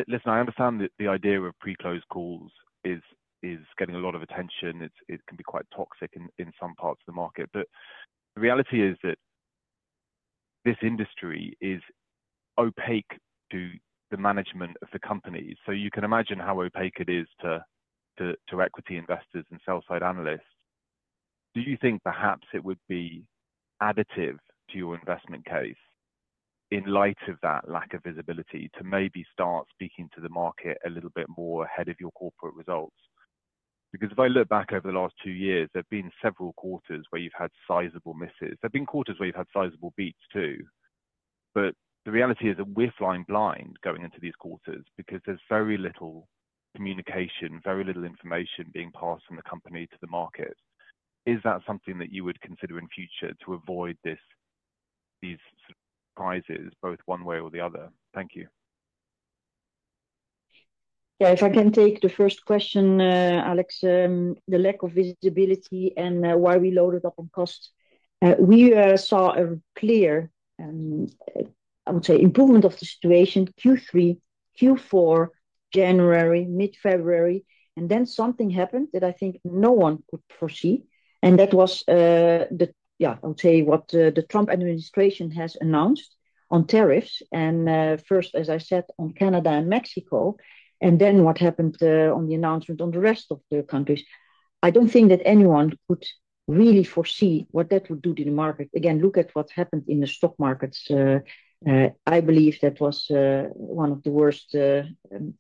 Speaker 11: listen, I understand that the idea of pre-closed calls is getting a lot of attention. It can be quite toxic in some parts of the market. The reality is that this industry is opaque to the management of the companies. You can imagine how opaque it is to equity investors and sell-side analysts. Do you think perhaps it would be additive to your investment case in light of that lack of visibility to maybe start speaking to the market a little bit more ahead of your corporate results? Because if I look back over the last two years, there have been several quarters where you've had sizable misses. There have been quarters where you've had sizable beats too. The reality is that we're flying blind going into these quarters because there's very little communication, very little information being passed from the company to the market. Is that something that you would consider in future to avoid these surprises both one way or the other? Thank you.
Speaker 2: Yeah. If I can take the first question, Alex, the lack of visibility and why we loaded up on cost. We saw a clear, I would say, improvement of the situation Q3, Q4, January, mid-February. Something happened that I think no one could foresee. That was the, yeah, I would say what the Trump administration has announced on tariffs. First, as I said, on Canada and Mexico. What happened on the announcement on the rest of the countries. I do not think that anyone could really foresee what that would do to the market. Again, look at what happened in the stock markets. I believe that was one of the worst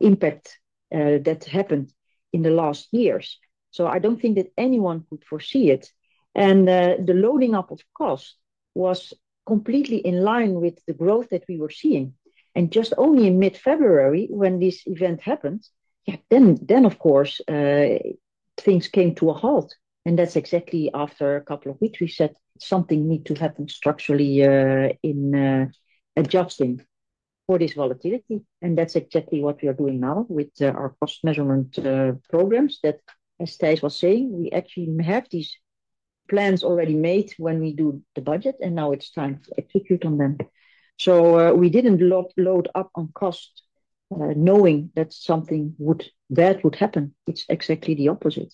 Speaker 2: impacts that happened in the last years. I do not think that anyone could foresee it. The loading up of cost was completely in line with the growth that we were seeing. Just only in mid-February when this event happened, yeah, of course, things came to a halt. That is exactly after a couple of weeks we said something needs to happen structurally in adjusting for this volatility. That is exactly what we are doing now with our cost measurement programs that, as Thijs was saying, we actually have these plans already made when we do the budget, and now it is time to execute on them. We did not load up on cost knowing that something bad would happen. It is exactly the opposite.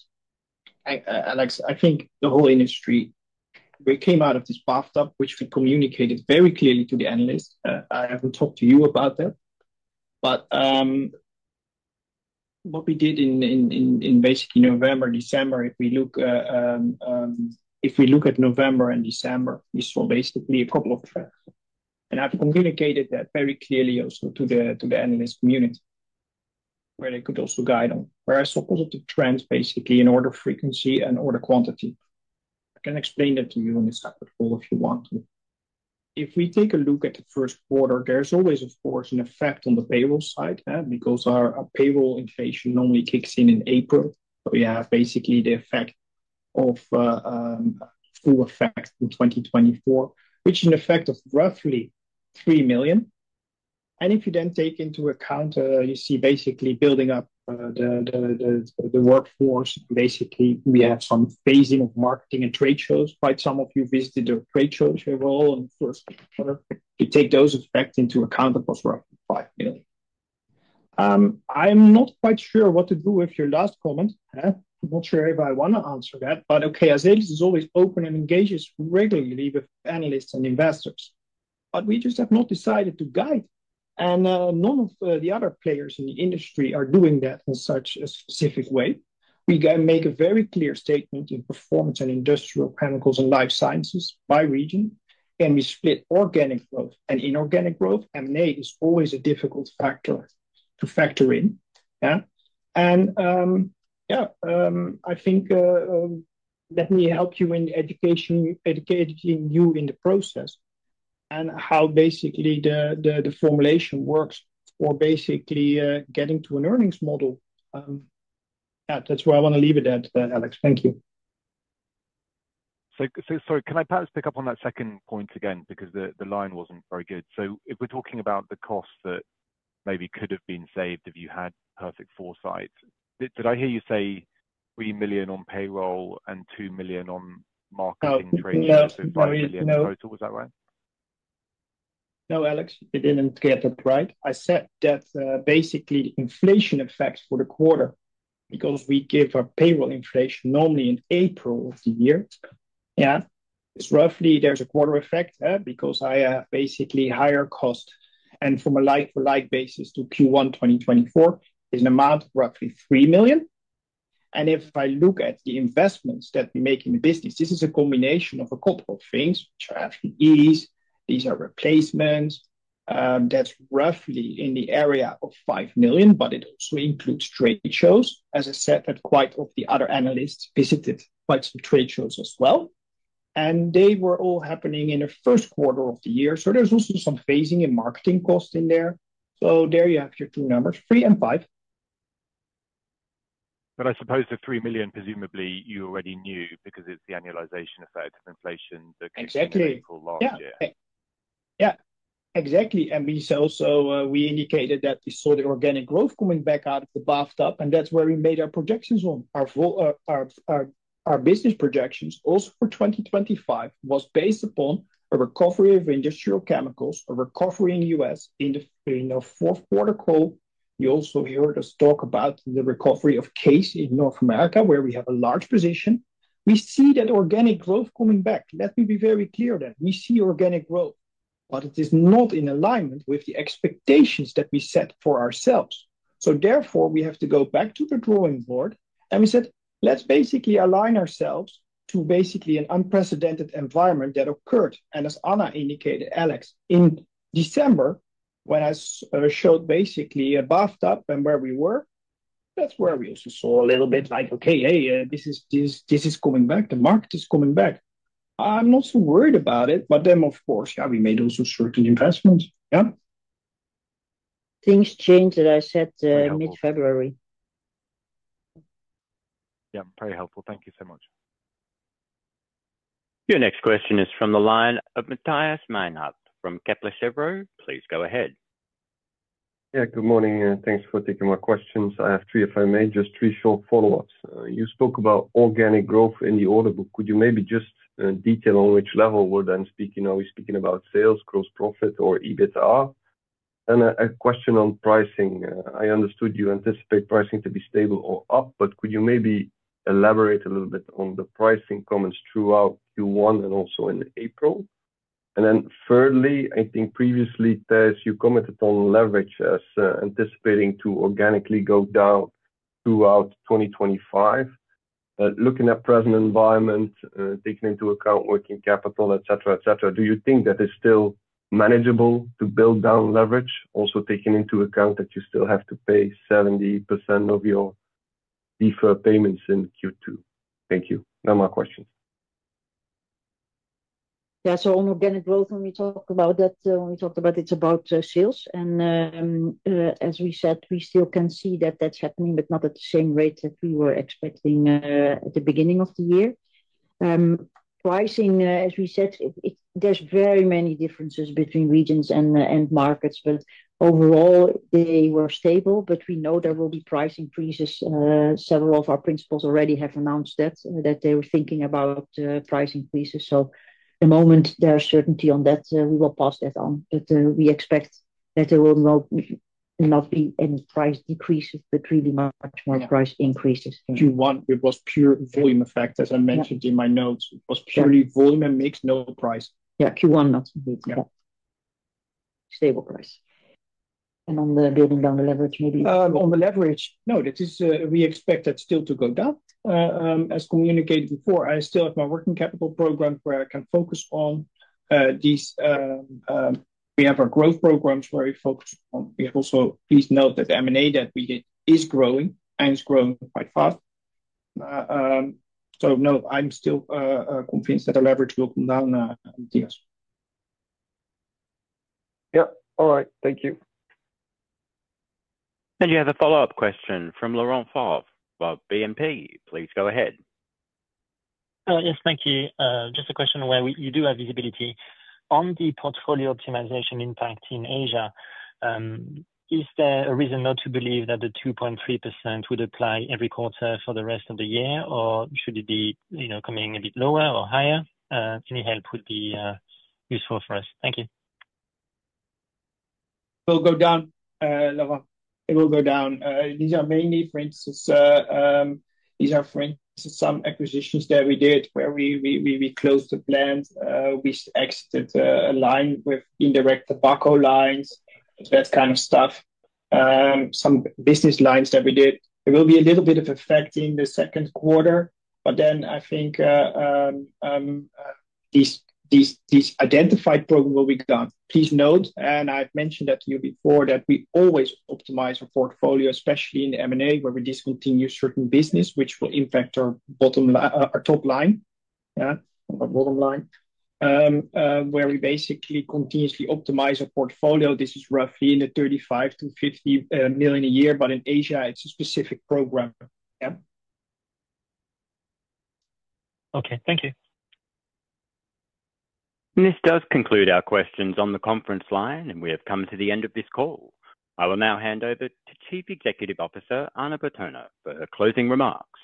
Speaker 3: Alex, I think the whole industry, we came out of this bathtub, which we communicated very clearly to the analysts. I have not talked to you about that. What we did in basically November, December, if we look at November and December, we saw basically a couple of trends. I have communicated that very clearly also to the analyst community where they could also guide on. Where I saw positive trends basically in order frequency and order quantity. I can explain that to you in a separate call if you want to. If we take a look at the first quarter, there is always, of course, an effect on the payroll side because our payroll inflation normally kicks in in April. We have basically the effect of full effect in 2024, which is an effect of roughly 3 million. If you then take into account, you see basically building up the workforce, basically we have some phasing of marketing and trade shows. Quite some of you visited the trade shows here as well. Of course, you take those effects into account, of course, roughly 5 million. I'm not quite sure what to do with your last comment. I'm not sure if I want to answer that. Okay, Azelis is always open and engages regularly with analysts and investors. We just have not decided to guide. None of the other players in the industry are doing that in such a specific way. We make a very clear statement in performance and industrial chemicals and life sciences by region. We split organic growth and inorganic growth. M&A is always a difficult factor to factor in. I think let me help you in educating you in the process and how basically the formulation works for basically getting to an earnings model. That is where I want to leave it at, Alex. Thank you.
Speaker 11: Sorry, can I perhaps pick up on that second point again because the line was not very good? If we're talking about the cost that maybe could have been saved if you had perfect foresight, did I hear you say 3 million on payroll and 2 million on marketing trade? 5 million total, was that right?
Speaker 3: No, Alex, you didn't get that right. I said that basically the inflation effect for the quarter because we give our payroll inflation normally in April of the year. Yeah. It's roughly there's a quarter effect because I have basically higher cost. From a like-for-like basis to Q1 2024, it is an amount of roughly 3 million. If I look at the investments that we make in the business, this is a combination of a couple of things, which are [FTEs]. These are replacements. That's roughly in the area of 5 million, but it also includes trade shows. As I said, quite a few of the other analysts visited quite a few trade shows as well. They were all happening in the first quarter of the year. There is also some phasing and marketing cost in there. There you have your two numbers, 3 and 5.
Speaker 11: I suppose the 3 million, presumably, you already knew because it is the annualization effect of inflation that keeps people last year.
Speaker 3: Exactly. Yeah. Yeah. Exactly. We also indicated that we saw the organic growth coming back out of the bathtub. That is where we made our projections on. Our business projections also for 2025 were based upon a recovery of industrial chemicals, a recovery in the US in the fourth quarter call. You also heard us talk about the recovery of Case in North America where we have a large position. We see that organic growth coming back. Let me be very clear that we see organic growth, but it is not in alignment with the expectations that we set for ourselves. Therefore, we have to go back to the drawing board. We said, let's basically align ourselves to basically an unprecedented environment that occurred. As Anna indicated, Alex, in December, when I showed basically a bathtub and where we were, that's where we also saw a little bit like, okay, hey, this is coming back. The market is coming back. I'm not so worried about it. Of course, we made also certain investments.
Speaker 2: Things changed that I said mid-February.
Speaker 11: Very helpful. Thank you so much.
Speaker 4: Your next question is from the line of Matthias Meinhardt from Kepler Cheuvreux]. Please go ahead.
Speaker 12: Good morning. Thanks for taking my questions. I have three, if I may, just three short follow-ups. You spoke about organic growth in the order book. Could you maybe just detail on which level we're then speaking? Are we speaking about sales, gross profit, or EBITDA? A question on pricing. I understood you anticipate pricing to be stable or up, but could you maybe elaborate a little bit on the pricing comments throughout Q1 and also in April? Thirdly, I think previously, Thijs, you commented on leverage as anticipating to organically go down throughout 2025. Looking at present environment, taking into account working capital, etc., etc., do you think that it's still manageable to build down leverage, also taking into account that you still have to pay 70% of your deferred payments in Q2? Thank you. No more questions.
Speaker 2: Yeah. On organic growth, when we talked about that, when we talked about it, it's about sales. As we said, we still can see that that's happening, but not at the same rate that we were expecting at the beginning of the year. Pricing, as we said, there are very many differences between regions and markets, but overall, they were stable. We know there will be price increases. Several of our principals already have announced that they were thinking about price increases. The moment there is certainty on that, we will pass that on. We expect that there will not be any price decreases, but really much more price increases. Q1,
Speaker 3: it was pure volume effect, as I mentioned in my notes. It was purely volume and mixed, no price.
Speaker 2: Yeah. Q1, not mixed. Yeah. Stable price. On the building down the leverage, maybe?
Speaker 3: On the leverage, no, we expect that still to go down. As communicated before, I still have my working capital program where I can focus on these. We have our growth programs where we focus on. We have also please note that the M&A that we did is growing and is growing quite fast. No, I'm still convinced that the leverage will come down, Thijs.
Speaker 12: Yeah. All right. Thank you.
Speaker 4: You have a follow-up question from Laurent Favre about BNP. Please go ahead.
Speaker 7: Yes. Thank you. Just a question where you do have visibility. On the portfolio optimization impact in Asia, is there a reason not to believe that the 2.3% would apply every quarter for the rest of the year, or should it be coming a bit lower or higher? Any help would be useful for us. Thank you.
Speaker 3: It will go down, Laurent. It will go down. These are mainly, for instance, some acquisitions that we did where we closed the plant. We exited a line with indirect tobacco lines, that kind of stuff. Some business lines that we did. There will be a little bit of effect in the second quarter, but I think this identified program will be gone. Please note, and I have mentioned that to you before, that we always optimize our portfolio, especially in the M&A where we discontinue certain business, which will impact our top line. Yeah. Our bottom line, where we basically continuously optimize our portfolio. This is roughly in the 35 million-50 million a year, but in Asia, it is a specific program. Yeah.
Speaker 7: Okay. Thank you.
Speaker 4: This does conclude our questions on the conference line, and we have come to the end of this call.
Speaker 2: I will now hand over to Chief Executive Officer Anna Bertona for her closing remarks.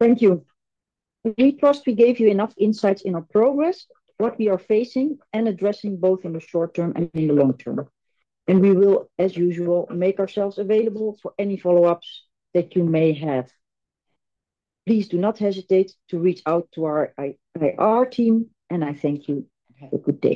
Speaker 2: Thank you. We trust we gave you enough insights in our progress, what we are facing, and addressing both in the short term and in the long term. We will, as usual, make ourselves available for any follow-ups that you may have. Please do not hesitate to reach out to our IR team, and I thank you and have a good day.